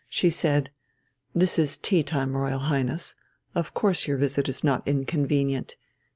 She said: "This is tea time, Royal Highness. Of course your visit is not inconvenient.